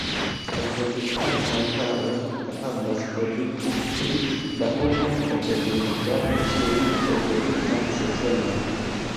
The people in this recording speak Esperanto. Reproduktantaj paroj kapablas produkti pli da unu ovodemetado ĉiun reproduktan sezonon.